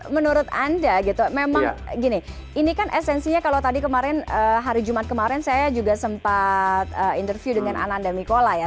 menurut anda gitu memang gini ini kan esensinya kalau tadi kemarin hari jumat kemarin saya juga sempat interview dengan ananda mikola ya